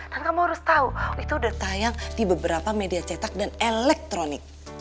kamu harus tahu itu udah tayang di beberapa media cetak dan elektronik